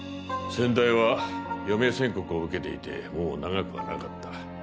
先代は余命宣告を受けていてもう長くはなかった。